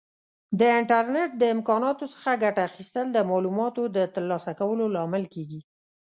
د انټرنیټ د امکاناتو څخه ګټه اخیستل د معلوماتو د ترلاسه کولو لامل کیږي.